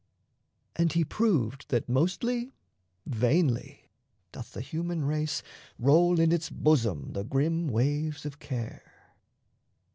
And he proved That mostly vainly doth the human race Roll in its bosom the grim waves of care.